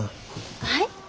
はい？